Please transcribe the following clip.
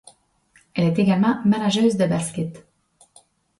Elle est également manageuse de basket.